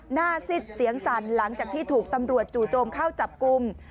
ซิดเสียงสั่นหลังจากที่ถูกตำรวจจู่โจมเข้าจับกลุ่ม